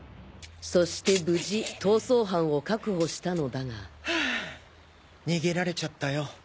そして無事逃走犯を確保したのだが逃げられちゃったよ。